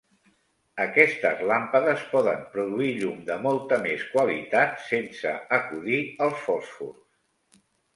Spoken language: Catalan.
Aquestes làmpades poden produir llum de molta més qualitat sense acudir als fòsfors.